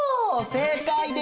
正解です！